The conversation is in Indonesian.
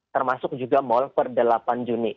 termasuk juga mall per delapan juni